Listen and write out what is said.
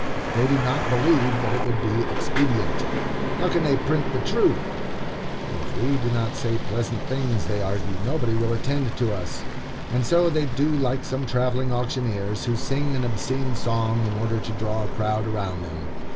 They do not believe that it would be expedient. How then can they print truth? If we do not say pleasant things, they argue, nobody will attend to us. And so they do like some travelling auctioneers, who sing an obscene song in order to draw a crowd around them.